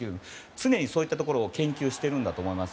常にそういったところを研究しているんだと思います。